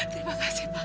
terima kasih pak